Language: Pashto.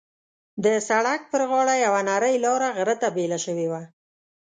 د سړک پر غاړه یوه نرۍ لاره غره ته بېله شوې وه.